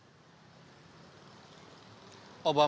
apa yang dilakukan obama